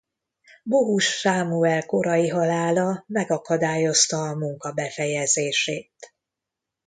Bohus Sámuel korai halála megakadályozta a munka befejezését.